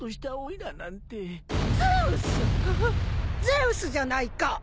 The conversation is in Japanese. ゼウスじゃないか！